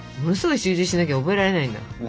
ものすごい集中しなきゃ覚えられないんだ？